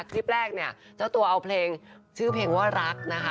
คลิปแรกเนี่ยเจ้าตัวเอาเพลงชื่อเพลงว่ารักนะคะ